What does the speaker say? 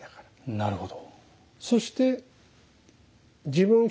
なるほど。